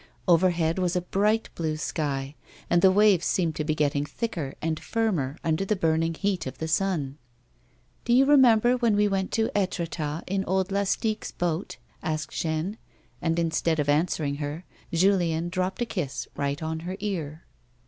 Overhead was a bright blue sky, and the waves seemed to be getting thicker and firmer under the burning heat of the sun. " Do you remember when we went to Etretat in old Lastique's boat 1 " asked Jeanne ; and, instead of answering her, Juiien dropped a kiss right on her ear.